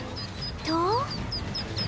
と